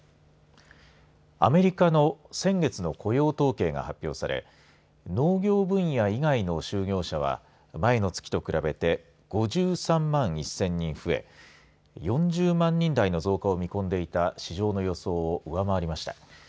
アメリカの先月の雇用統計が発表され農業分野以外の就業者は前の月と比べて５３万１０００人増え４０万人台の増加を見込んでいた市場の予想を上回りました。